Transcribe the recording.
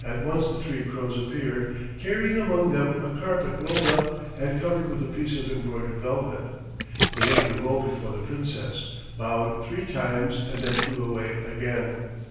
At once the three crows appeared, carrying among them a carpet rolled up and covered with a piece of embroidered velvet. They laid the roll before the Princess, bowed three times, and then flew away again.